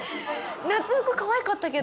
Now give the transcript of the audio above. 夏服かわいかったけど。